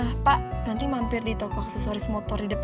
nah pak nanti mampir di toko aksesoris motor di depan